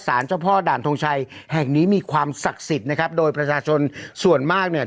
เจ้าพ่อด่านทงชัยแห่งนี้มีความศักดิ์สิทธิ์นะครับโดยประชาชนส่วนมากเนี่ย